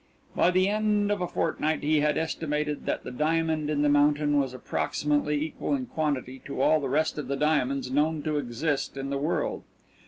By the end of a fortnight he had estimated that the diamond in the mountain was approximately equal in quantity to all the rest of the diamonds known to exist in the world.